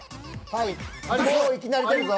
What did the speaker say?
はいもういきなり出るぞ。